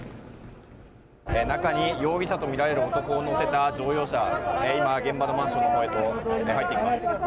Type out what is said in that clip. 中に容疑者とみられる男を乗せた乗用車、今、現場のマンションのほうへと入っていきます。